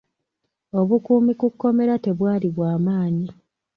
Obukuumi ku komera tebwali bw'amaanyi.